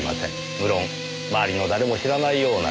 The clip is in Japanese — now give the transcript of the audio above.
無論周りの誰も知らないような理由